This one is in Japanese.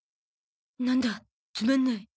なんだつまんない。